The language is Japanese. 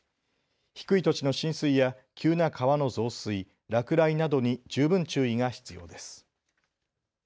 低い土地の浸水や急な川の増水、落雷などに十分注意が必要です。